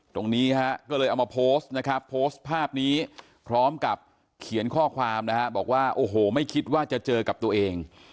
ตรงนี้ฮะก็เลยเอามาโพสต์นะครับโพสต์ภาพนี้พร้อมกับเขียนข้อความนะฮะบอกว่าโอ้โหไม่คิดว่าจะเจอกับตัวเอง